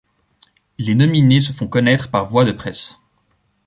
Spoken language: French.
Les nominés se font connaître par voie de presse.